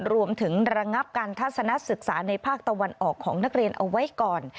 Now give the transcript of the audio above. ระงับการทัศนศึกษาในภาคตะวันออกของนักเรียนเอาไว้ก่อน